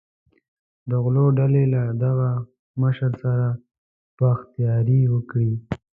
د غلو ډلې له دغه مشر سره بخت یاري وکړي.